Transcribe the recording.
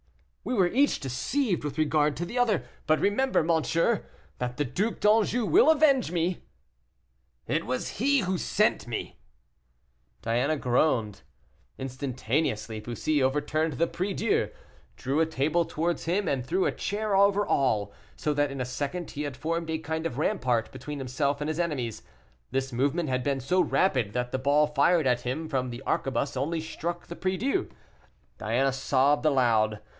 "We were each deceived with regard to the other; but remember, monsieur, that the Duc d'Anjou will avenge me." "It was he who sent me." Diana groaned. Instantaneously Bussy overturned the prie Dieu, drew a table towards him, and threw a chair over all, so that in a second he had formed a kind of rampart between himself and his enemies. This movement had been so rapid, that the ball fired at him from the arquebuse only struck the prie Dieu. Diana sobbed aloud.